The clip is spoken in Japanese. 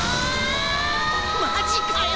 マジかよ！